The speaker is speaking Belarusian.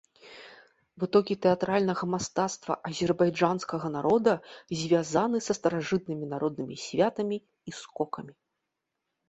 Вытокі тэатральнага мастацтва азербайджанскага народа звязаны са старажытнымі народнымі святамі і скокамі.